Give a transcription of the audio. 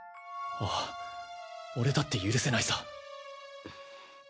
ああ俺だって許せないさ。